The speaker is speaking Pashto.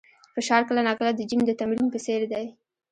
فشار کله ناکله د جیم د تمرین په څېر دی.